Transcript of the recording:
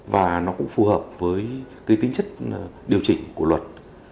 và nó cũng phù hợp với cái tính chất điều chỉnh của luật